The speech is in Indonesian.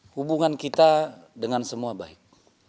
hubungan kita dengan semua baik